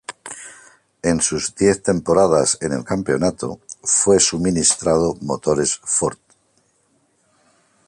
En sus diez temporadas en el campeonato fue suministrado motores Ford.